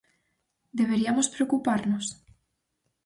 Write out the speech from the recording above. Deberiamos preocuparnos?